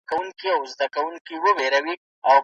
له عمره د حيات په دروازه کې سره ناست وو